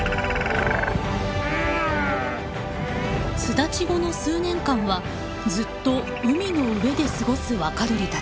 巣立ち後の数年間はずっと海の上で過ごす若鳥たち。